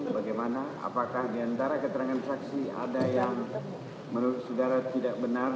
bagaimana apakah diantara keterangan saksi ada yang menurut saudara tidak benar